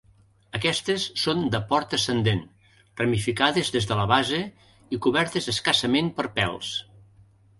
Aquestes són de port ascendent, ramificades des de la base i cobertes escassament per pèls.